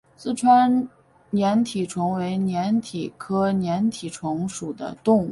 四川粘体虫为粘体科粘体虫属的动物。